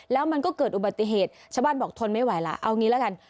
แล้วมันก็เกิดอุบัติเหตุชาวบ้านบอกทนไม่ไหวแล้วเอางี้ละกัน